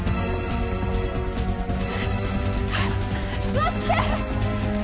待って！